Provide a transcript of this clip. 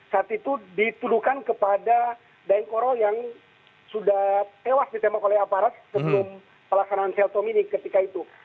saat itu dituduhkan kepada daeng korol yang sudah tewas ditembak oleh aparat sebelum pelaksanaan sel tomini ketika itu